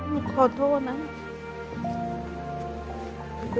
ไม่เป็นไรหรอก